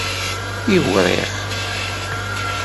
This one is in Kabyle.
Iwriɣ.